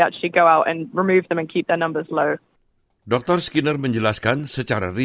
jadi ada tim berdiver yang masuk ke air